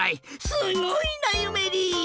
すごいなゆめり！